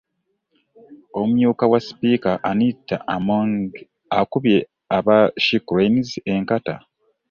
Omumyuka wa sipiika Anita Among akubye aba She Cranes enkata